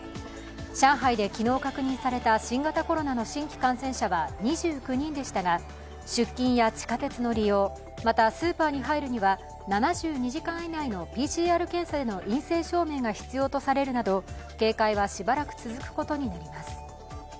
上海で昨日確認された新型コロナの新規感染者は２９人でしたが出勤や地下鉄の利用、またスーパーに入るには７２時間以内のＰＣＲ検査での陰性証明が必要とされるなど警戒はしばらく続くことになります。